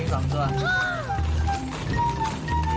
อีกเลขลัย๑หน่อย